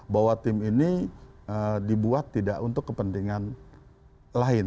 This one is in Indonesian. bahwa tim ini dibuat tidak untuk kepentingan lain